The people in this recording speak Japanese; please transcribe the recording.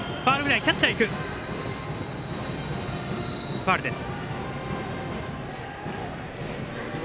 ファウルです。